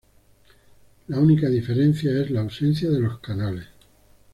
La única diferencia es la ausencia de los canales.